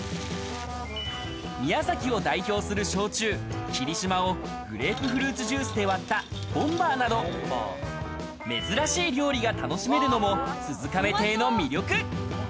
宮崎を代表する焼酎、霧島をグレープフルーツジュースで割ったボンバーなど、珍しい料理が楽しめるのも鈴亀亭の魅力。